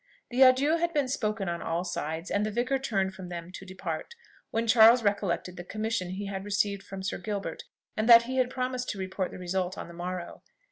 The adieu had been spoken on all sides, and the vicar turned from them to depart, when Charles recollected the commission he had received from Sir Gilbert, and that he had promised to report the result on the morrow.